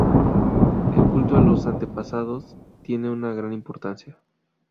El culto a los antepasados tiene una gran importancia.